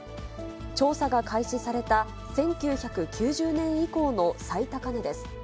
調査が開始された１９９０年以降の最高値です。